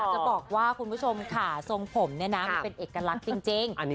จะบอกว่าคุณผู้ชมค่ะทรงผมเนี่ยนะมันเป็นเอกลักษณ์จริง